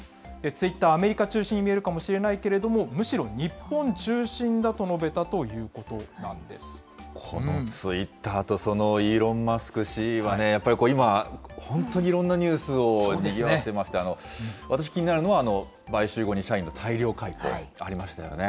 ツイッターはアメリカ中心に見えるかもしれないが、むしろ日本中このツイッターと、そのイーロン・マスク氏は、やっぱり今、本当にいろんなニュースをにぎわせてまして、私気になるのは、買収後に社員の大量解雇ありましたよね。